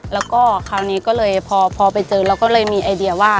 แล้วก็คราวนี้ก็เลยพอไปเจอเราก็เลยมีไอเดียว่า